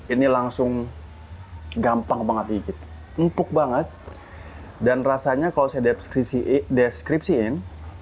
ini langsung gampang banget dikit empuk banget dan rasanya kalau saya deskripsiin